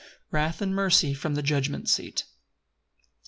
Wrath and mercy from the judgment seat.